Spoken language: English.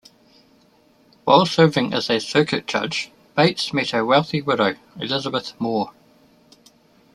While serving as a circuit judge, Bates met a wealthy widow, Elizabeth Moore.